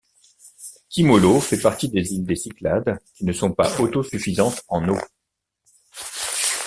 Kimolos fait partie des îles des Cyclades qui ne sont pas autosuffisantes en eau.